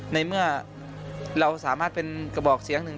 ในเมื่อเราสามารถเป็นกระบอกเสียงหนึ่ง